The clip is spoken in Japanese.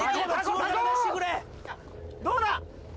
どうだ！？